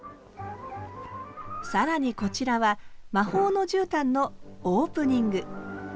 更にこちらは「魔法のじゅうたん」のオープニング。